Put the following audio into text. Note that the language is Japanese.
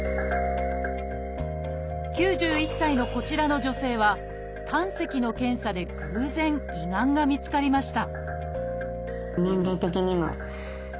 ９１歳のこちらの女性は胆石の検査で偶然胃がんが見つかりました